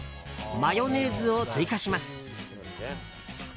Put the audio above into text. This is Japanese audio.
マヨネーズを追加します。